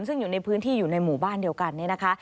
ซึ่งอยู่ในพื้นที่อยู่ในหมู่บ้านเดียวกันเนี่ยนะคะ